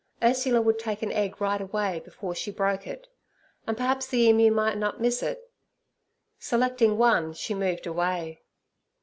Ursula would take an egg right away before she broke it, and perhaps the emu might not miss it. Selecting one, she moved away.